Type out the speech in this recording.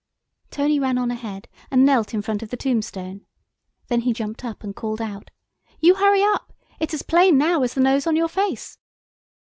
Tony ran on ahead and knelt in front of the tombstone. Then he jumped up and called out, "You hurry up, it's as plain now as the nose on your face."